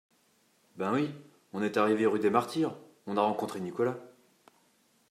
Ben oui, on est arrivés rue des Martyrs, on a rencontré Nicolas